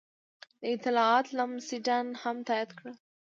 دا اطلاعات لمسډن هم تایید کړل.